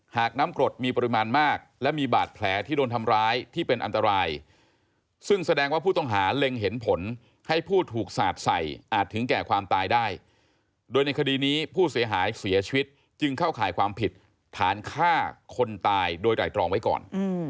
หากน้ำกรดมีปริมาณมากและมีบาดแผลที่โดนทำร้ายที่เป็นอันตรายซึ่งแสดงว่าผู้ต้องหาเล็งเห็นผลให้ผู้ถูกสาดใส่อาจถึงแก่ความตายได้โดยในคดีนี้ผู้เสียหายเสียชีวิตจึงเข้าข่ายความผิดฐานฆ่าคนตายโดยไตรตรองไว้ก่อน